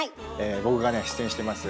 僕がね出演してます